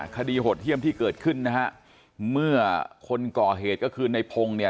คดีหดเทียมที่เกิดขึ้นนะฮะเมื่อคนก่อเหตุก็คืนในพงฯ